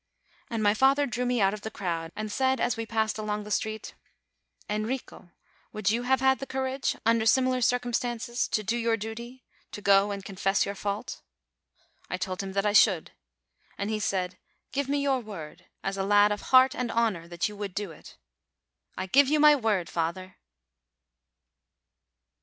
And my father drew me out of the crowd, and said as we passed along the street, "Enrico, would you have THE SCHOOLMISTRESSES 67 had the courage, under similar circumstances, to do your duty, to go and confess your fault? 1 " I told him that I should. And he said, "Give me your word, as a lad of heart and honor, that you would do it." "I give you my word, father